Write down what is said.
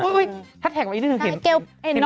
เฮ้ยถ้าแท็กไว้อีกนึงเห็นแก่วน้องแองจี้